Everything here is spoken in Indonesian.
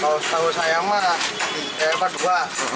kalau tahu saya emang di depan dua